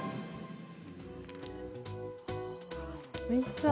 おいしそう。